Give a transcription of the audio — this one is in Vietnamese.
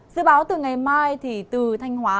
dự báo từ ngày mai thì từ thanh hóa